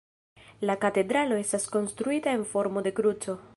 La katedralo estas konstruita en formo de kruco.